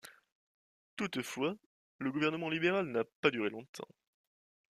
Toutefois, le gouvernement libéral n'a pas duré longtemps.